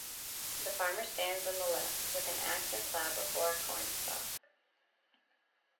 The farmer stands on the left with an ax and plow before a cornstalk.